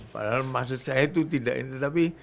padahal maksud saya itu tidak ini tapi